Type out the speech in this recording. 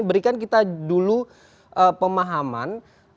berikan kita dulu pemahaman